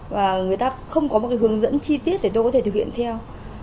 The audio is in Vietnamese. và người ta không có hướng dẫn chi tiết để tôi có thể thực hiện theo